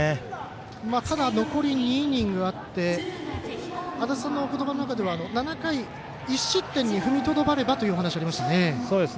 ただ、残り２イニングあって足達さんのお言葉の中では７回１失点にとどまればというお話がありましたね。